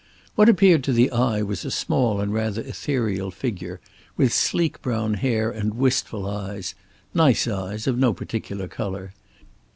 What appeared to the eye was a small and rather ethereal figure with sleek brown hair and wistful eyes; nice eyes, of no particular color.